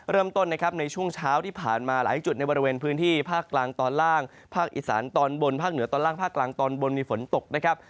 เริ่มต้นนะครับในช่วงเช้าที่ผ่านมาหลายจุดในบริเวณพื้นที่ภาคกลางตอนล่างภาคอีสานตอนบนภาคเหนือตอนล่างภาคกลางตอนบนมีฝนตกนะครับ